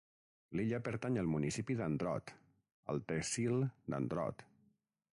L'illa pertany al municipi d'Andrott, al tehsil d'Andrott.